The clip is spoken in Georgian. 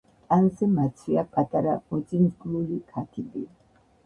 ტანზე მაცვია პატარა მოწინწკლული ქათიბი.